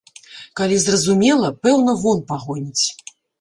Калі зразумела, пэўна, вон пагоніць.